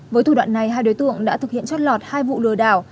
với thủ đoạn này hai đối tượng đã thực hiện chót lọt hai vụ lừa đảo